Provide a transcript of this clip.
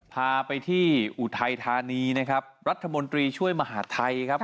พาไปที่อุทัยธานีนะครับรัฐมนตรีช่วยมหาดไทยครับ